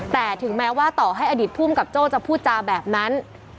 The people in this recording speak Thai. แต่ถึงแม้ว่าต่อให้อดีตภูมิกับโจ้จะพูดจาแบบนั้น